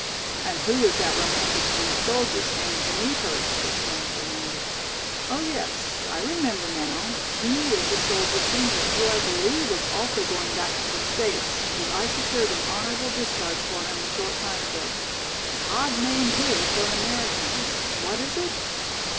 "And who is that romantic young soldier standing beneath her?" the Colonel demanded. "Oh, yes, I remember now, he is the soldier singer, who I believe is also going back to the States, as I secured an honorable discharge for him a short time ago. Odd name his for an American, what is it?"